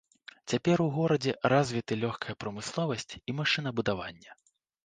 Цяпер у горадзе развіты лёгкая прамысловасць і машынабудаванне.